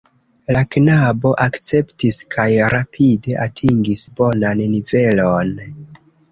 La knabo akceptis, kaj rapide atingis bonan nivelon.